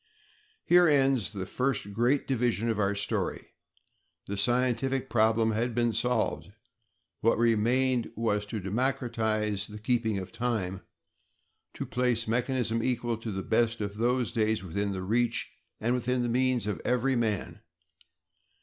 Here ends the first great division of our story. The scientific problem had been solved; what remained was to democratize the keeping of time; to place mechanism equal to the best of those days within the reach and within the means of every man.